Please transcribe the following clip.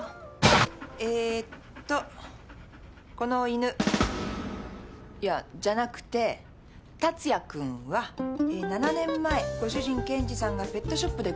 えーとこの犬いやじゃなくて達也君はえー７年前ご主人健児さんがペットショップで購入。